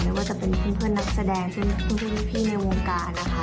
ไม่ว่าจะเป็นเพื่อนนักแสดงซึ่งเพื่อนพี่ในวงการนะคะ